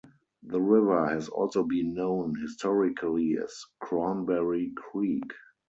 The river has also been known historically as Cranberry Creek.